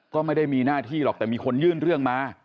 ก็ไม่ได้มีหน้าที่หรอกแต่มีคนยื่นเรื่องมา